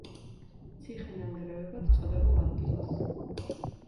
ციხენანგრევებად წოდებულ ადგილას.